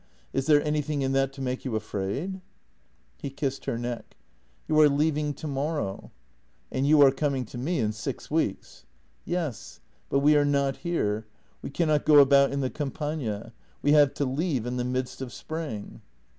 Is there anything in that to make you afraid? " He kissed her neck: "You are leaving tomorrow. ..."" And you are coming to me in six weeks." "Yes; but we are not here. We cannot go about in the Campagna. We have to leave in the midst of spring."